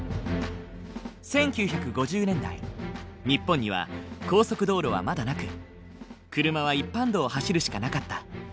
日本には高速道路はまだなく車は一般道を走るしかなかった。